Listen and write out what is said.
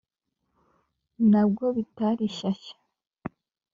nabwo bitari shyashya ,